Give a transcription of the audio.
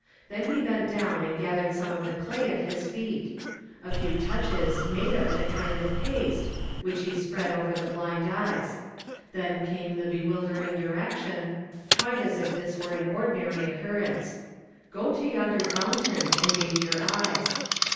Then he bent down and gathered some of the clay at his feet. A few touches made of it a kind of paste, which he s[)read over the blind eyes. Then came the bev/ildering direction, quite as if this were an ordinary occur rence. "Go to yonder fountain and bathe your eyes."